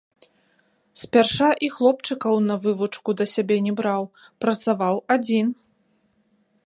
Спярша і хлопчыкаў на вывучку да сябе не браў, працаваў адзін.